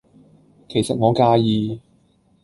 其實我介意